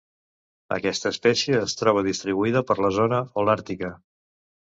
Aquesta espècie es troba distribuïda per la zona holàrtica.